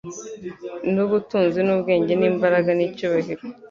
nubutunzi n ubwenge n imbaraga n icyubahiro